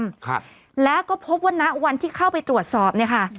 ครับแล้วก็พบว่าณวันที่เข้าไปตรวจสอบเนี่ยค่ะ